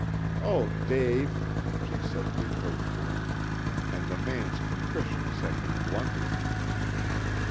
"Oh, Dave!" she said reproachfully. And the man's contrition set him blundering.